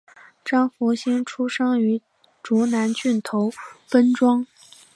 张福兴出生于竹南郡头分庄。